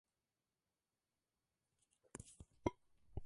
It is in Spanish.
Es de signo funerario y destinado a la peregrinación.